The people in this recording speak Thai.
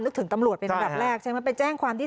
ถึงตำรวจเป็นระดับแรกใช่ไหมไปแจ้งความที่